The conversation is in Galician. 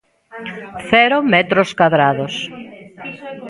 ¡Cero metros cadrados!